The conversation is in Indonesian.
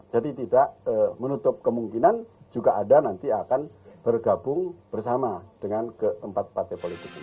jadi tidak menutup kemungkinan juga ada nanti akan bergabung bersama dengan keempat partai politik ini